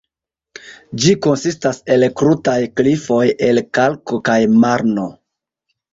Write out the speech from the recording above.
Ĝi konsistas el krutaj klifoj el kalko kaj marno.